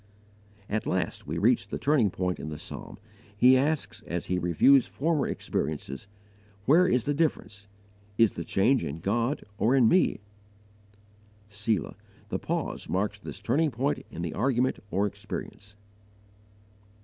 At last we reach the turning point in the psalm: he asks as he reviews former experiences, WHERE IS THE DIFFERENCE? IS THE CHANGE IN GOD OR IN ME? "Selah" the pause marks this turning point in the argument or experience.